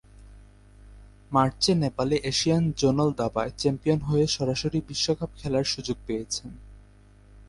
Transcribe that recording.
মার্চে নেপালে Asian zonal দাবায় চ্যাম্পিয়ন হয়ে সরাসরি বিশ্বকাপে খেলার সুযোগ পেয়েছেন।